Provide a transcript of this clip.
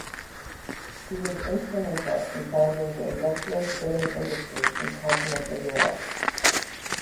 He was instrumental in founding the industrial spinning industry in continental Europe.